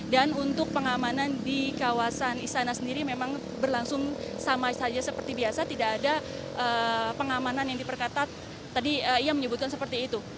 dan untuk pengamanan di kawasan istana sendiri memang berlangsung sama saja seperti biasa tidak ada pengamanan yang diperkatakan tadi ia menyebutkan seperti itu